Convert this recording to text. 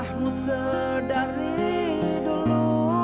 kamu sedari dulu